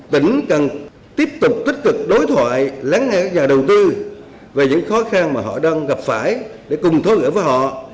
tỉnh cần tiếp tục tích cực đối thoại lắng nghe các nhà đầu tư về những khó khăn mà họ đang gặp phải để cùng thối với họ